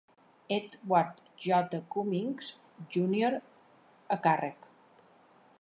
Edward J. Cummings, Junior a càrrec.